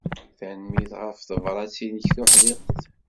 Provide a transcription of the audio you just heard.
Tanemmirt ɣef tebṛat-nnek tuḥdiqt.